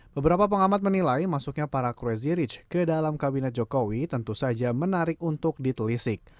beberapa pengamat menilai masuknya para crazy rich ke dalam kabinet jokowi tentu saja menarik untuk ditelisik